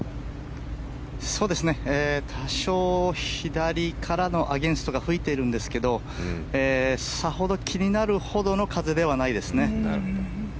多少左からのアゲンストが吹いているんですけどさほど気になるほどの風ではないですね。